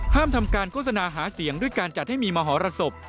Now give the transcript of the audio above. ทำการโฆษณาหาเสียงด้วยการจัดให้มีมหรสบ